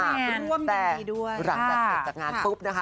แต่หลังจากเสร็จจากงานปุ๊บนะคะ